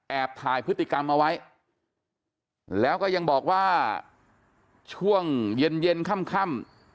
ถ่ายพฤติกรรมเอาไว้แล้วก็ยังบอกว่าช่วงเย็นเย็นค่ำ